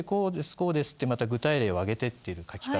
こうですってまた具体例を挙げていってる書き方。